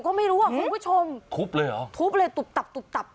ก็ไม่รู้อ่ะคุณผู้ชมทุบเลยเหรอทุบเลยตุบตับตุบตับ